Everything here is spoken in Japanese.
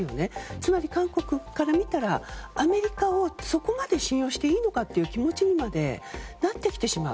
つまり、韓国から見たらアメリカをそこまで信用していいのかという気持ちにまでなってきてしまう。